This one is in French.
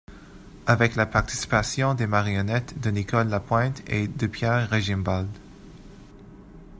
Avec la participation des marionnettes de Nicole Lapointe et de Pierre Régimbald.